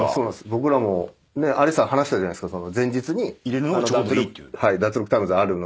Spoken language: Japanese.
僕らも有田さん話したじゃないですか。